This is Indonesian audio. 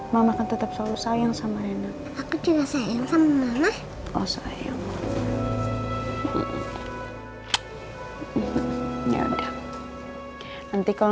mama kan tetap selalu sayang sama rena aku juga sayang sama mama oh sayang ya udah nanti kalau